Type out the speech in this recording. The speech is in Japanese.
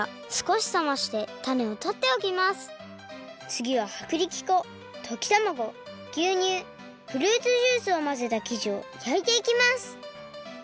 つぎははくりき粉ときたまごぎゅうにゅうフルーツジュースをまぜたきじをやいていきます。